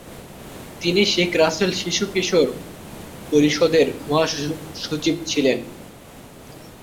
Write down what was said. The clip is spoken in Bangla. তিনি শেখ রাসেল শিশু কিশোর পরিষদের মহাসচিব ছিলেন।